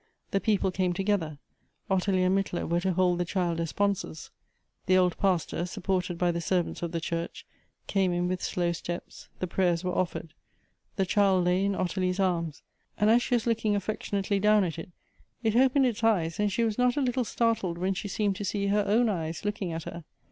The people came together ; Ottilie and Mittler were to hold the child as sponsors. The old pastor, sup ported by the servants of the church, came in with slow steps ; the prayers were offered. The child lay in Otti lie's ai ms, and as she was looking affectionately down at it, it opened its eyes and she was not a little startled when she seemed to see her own eyes looking at her.